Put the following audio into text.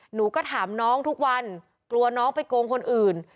หนูก็ถามน้องทุกวันกลัวน้องไปโกงคนอื่น